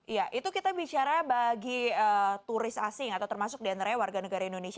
ya itu kita bicara bagi turis asing atau termasuk di antaranya warga negara indonesia